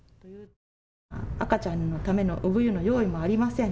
赤ちゃんのための産湯の用意もありません。